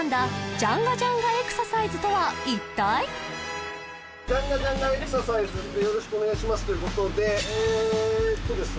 ジャンガジャンガエクササイズよろしくお願いしますということでえっとですね